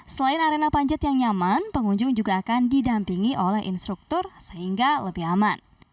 selain arena panjat yang nyaman pengunjung juga akan didampingi oleh instruktur sehingga lebih aman